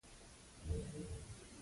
خپلو وړتیاوو ته په احترام وګورئ.